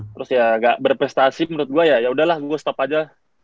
terus ya gak berprestasi menurut gue ya yaudahlah gue stop aja